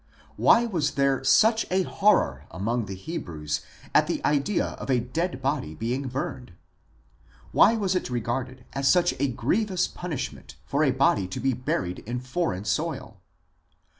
Why was there such a horror among the Hebrews at the idea of a dead body being burned ? Why was it regarded as such a grievous punishment for a body to be buried in foreign soil